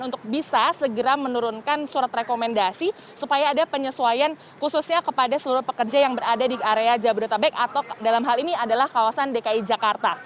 untuk bisa segera menurunkan surat rekomendasi supaya ada penyesuaian khususnya kepada seluruh pekerja yang berada di area jabodetabek atau dalam hal ini adalah kawasan dki jakarta